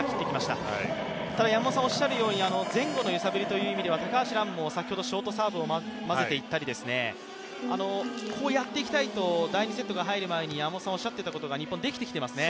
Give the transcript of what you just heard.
ただ山本さんがおっしゃるように、前後の揺さぶりという意味では高橋藍も先ほどショートサーブをまぜていったりこうやっていきたいと第２セットが入る前に山本さんがおっしゃっていたことが日本はできてきていますね。